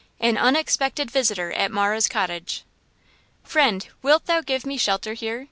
AN UNEXPECTED VISITOR AT MARAH'S COTTAGE. "Friend wilt thou give me shelter here?